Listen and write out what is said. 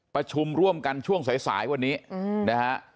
ประชุมร่วมกันช่วงสายวันนี้นะฮะ